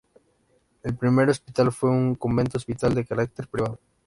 El primer hospital fue un convento-hospital de carácter privado.